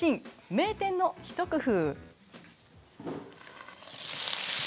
名店の一工夫。